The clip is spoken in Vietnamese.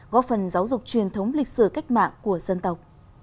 góp phần giáo dục truyền thống lịch sử cách mạng của dân tộc